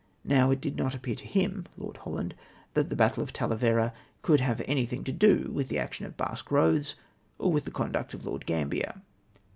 Now it did not appear to him (Lord Holland) that the battle of Talavera coidd have an3rthing to do with the action of Basque Roads or with the conduct of Lord Gambier.